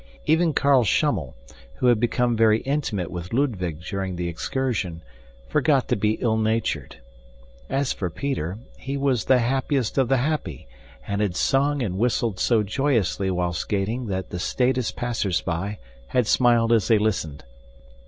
Even Carl Schummel, who had become very intimate with Ludwig during the excursion, forgot to be ill natured. As for Peter, he was the happiest of the happy and had sung and whistled so joyously while skating that the staidest passersby had smiled as they listened.